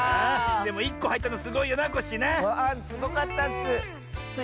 でも１こはいったのすごいよなコッシーな。わすごかったッス！